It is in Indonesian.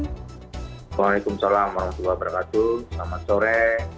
waalaikumsalam warahmatullahi wabarakatuh selamat sore